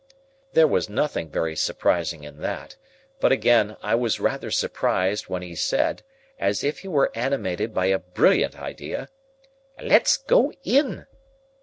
There was nothing very surprising in that; but again, I was rather surprised, when he said, as if he were animated by a brilliant idea,— "Let's go in!"